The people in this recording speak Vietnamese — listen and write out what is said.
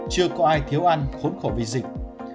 chưa có ai thiếu ăn khốn khổ vì dịch